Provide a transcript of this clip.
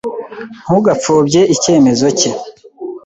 Ntugapfobye icyemezo cye.